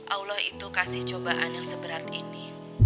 allah itu kasih cobaan yang seberat ini